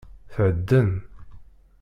Thedden!